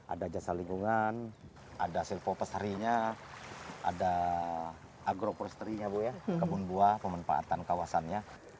ada jasa lingkungan ada silvopas harinya ada agro posterinya bu ya kebun buah pemenfaatan kawasannya